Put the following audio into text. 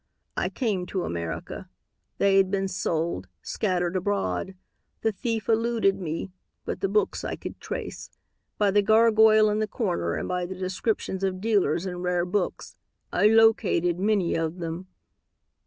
"I came to America. They had been sold, scattered abroad. The thief eluded me, but the books I could trace. By the gargoyle in the corner and by the descriptions of dealers in rare books, I located many of them.